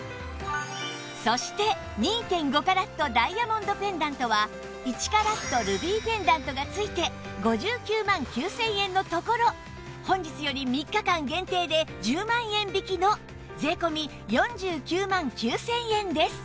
そして ２．５ カラットダイヤモンドペンダントは１カラットルビーペンダントが付いて５９万９０００円のところ本日より３日間限定で１０万円引きの税込４９万９０００円です